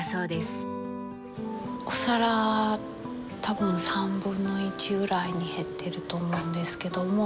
お皿多分３分の１ぐらいに減ってると思うんですけども。